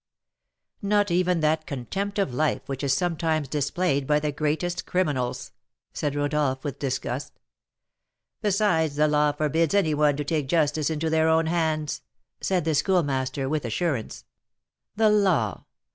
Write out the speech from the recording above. "Not even that contempt of life which is sometimes displayed by the greatest criminals!" said Rodolph, with disgust. "Besides, the law forbids any one to take justice into their own hands," said the Schoolmaster, with assurance. "The law!